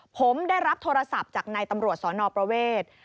ผมได้รับโทรศัพท์จากนายตำรวจสนประเวท